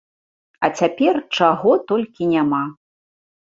А цяпер чаго толькі няма.